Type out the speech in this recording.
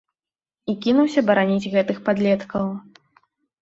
І кінуўся бараніць гэтых падлеткаў.